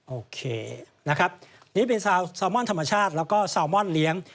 โอเคนะครับนี่เป็นซาวมอนธรรมชาติแล้วก็แซลมอนเลี้ยง